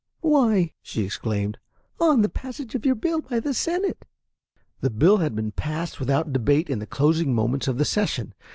"Why," she exclaimed, "on the passage of your bill by the Senate!" The bill had been passed without debate in the closing moments of the session.